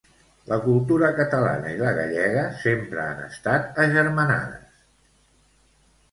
La cultura catalana i la gallega sempre han estat agermanades.